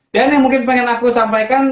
dan yang mungkin pengen aku sampaikan